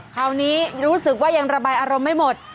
คราวนี้รู้สึกว่ายังระบายอารมณ์ไม่หมด